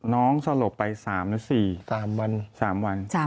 น้องสลบไป๓หรือ๔